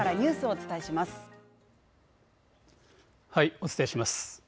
お伝えします。